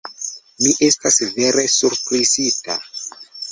Mi estas vere surprizita!